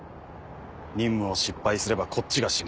任務を失敗すればこっちが死ぬ。